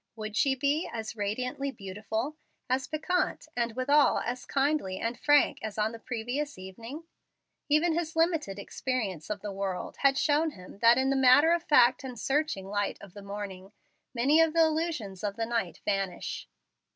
Would she be as radiantly beautiful, as piquant, and withal as kindly and frank as on the previous evening? Even his limited experience of the world had shown him that in the matter of fact and searching light of the morning many of the illusions of the night vanish.